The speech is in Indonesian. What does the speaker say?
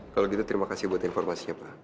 kalau gitu terima kasih buat informasinya pak